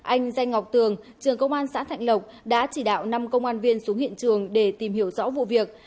anh danh ngọc tường trường công an xã thạnh lộc đã chỉ đạo năm công an viên xuống hiện trường để tìm hiểu rõ vụ việc